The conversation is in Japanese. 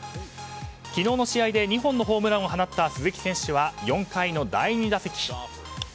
昨日の試合で２本のホームランを放った鈴木選手は４回の第２打席。